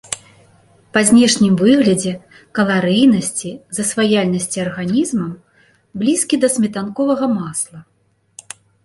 Па знешнім выглядзе, каларыйнасці, засваяльнасці арганізмам блізкі да сметанковага масла.